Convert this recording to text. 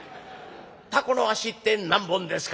タコの足って何本ですか？」。